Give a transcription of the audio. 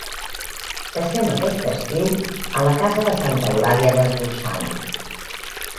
Passem aquest estiu a la casa de Santa Eulàlia de Ronçana.